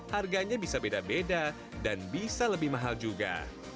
harganya bisa beda beda dan bisa lebih mahal juga